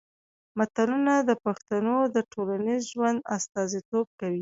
متلونه د پښتنو د ټولنیز ژوند استازیتوب کوي